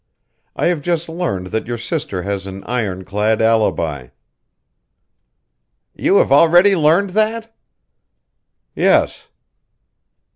I have just learned that your sister has an ironclad alibi." "You have already learned that?" "Yes."